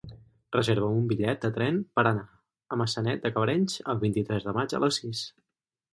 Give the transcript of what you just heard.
Reserva'm un bitllet de tren per anar a Maçanet de Cabrenys el vint-i-tres de maig a les sis.